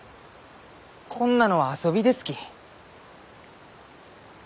こんなのは遊びですき。